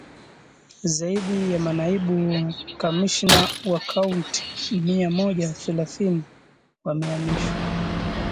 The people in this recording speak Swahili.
Zaidi ya manaibu kamishna wa kaunti mia moja thelathini wamehamishwa